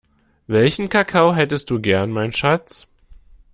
Welchen Kakao hättest du gern mein Schatz?